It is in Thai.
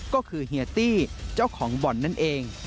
ก็คือเฮียตี้เจ้าของบ่อนนั่นเอง